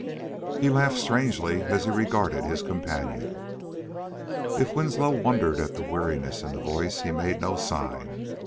He laughed strangely as he regarded his companion. If Winslow wondered at the weariness in the voice he made no sign.